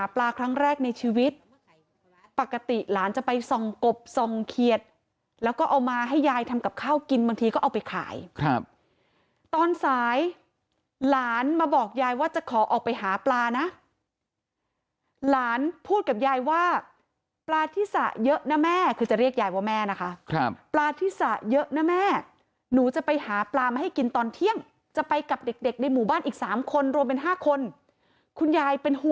ครั้งแรกในชีวิตปกติหลานจะไปส่องกบส่องเขียดแล้วก็เอามาให้ยายทำกับข้าวกินบางทีก็เอาไปขายครับตอนสายหลานมาบอกยายว่าจะขอออกไปหาปลานะหลานพูดกับยายว่าปลาที่สระเยอะนะแม่คือจะเรียกยายว่าแม่นะคะปลาที่สระเยอะนะแม่หนูจะไปหาปลามาให้กินตอนเที่ยงจะไปกับเด็กเด็กในหมู่บ้านอีก๓คนรวมเป็น๕คนคุณยายเป็นห